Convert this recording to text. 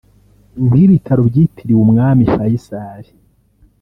nk’ibitaro byitiriwe umwami Faical